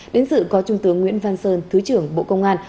đến dự có trung tướng nguyễn văn sơn thứ trưởng bộ công an